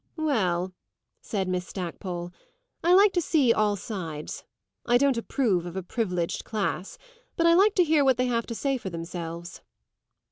"Well," said Miss Stackpole, "I like to see all sides. I don't approve of a privileged class, but I like to hear what they have to say for themselves."